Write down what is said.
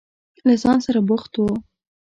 له ځان سره بوخت و.